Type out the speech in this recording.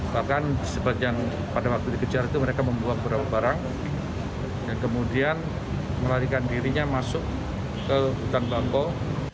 bahkan sebagian pada waktu dikejar itu mereka membuang beberapa barang dan kemudian melarikan dirinya masuk ke hutan bangkok